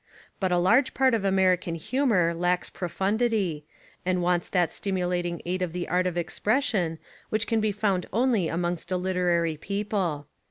But a large part of American humour lacks profundity, and wants that stimulating aid of the art of expression which can be found only amongst a literary peo ple.